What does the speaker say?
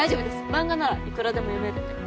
漫画ならいくらでも読めるんで。